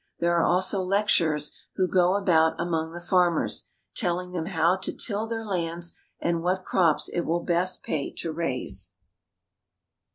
There are also lecturers who go about among the farmers, telling them how to till their lands, and what crops it will best pay to raise.